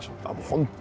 本当